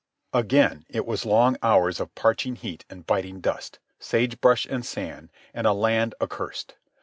Again it was long hours of parching heat and biting dust, sage brush and sand, and a land accursed.